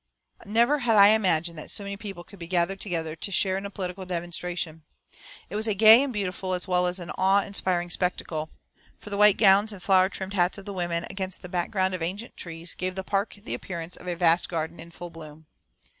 Never had I imagined that so many people could be gathered together to share in a political demonstration. It was a gay and beautiful as well as an awe inspiring spectacle, for the white gowns and flower trimmed hats of the women, against the background of ancient trees, gave the park the appearance of a vast garden in full bloom.